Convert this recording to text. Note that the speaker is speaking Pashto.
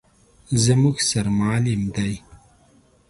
_زموږ سر معلم دی.